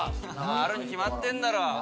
あるに決まってんだろ。